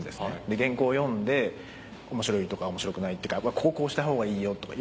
で原稿を読んで面白いとか面白くないっていうか「こここうしたほうがいいよ」とか。